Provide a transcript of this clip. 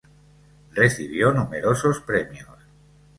Recibió numerosos premios.